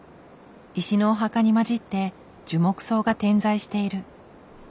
石のお墓に交じって樹木葬が点在している。